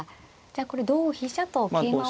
じゃあこれ同飛車と桂馬を。